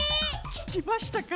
ききましたか？